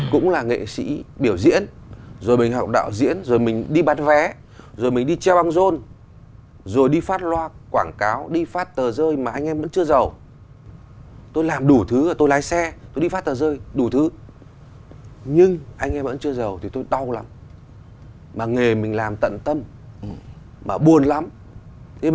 cũng là nhà nước cho tiền đấy